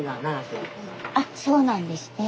あっそうなんですね。